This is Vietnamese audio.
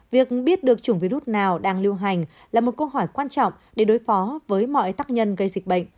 việc biết được chủng virus nào đang lưu hành là một câu hỏi quan trọng để đối phó với mọi tác nhân gây dịch bệnh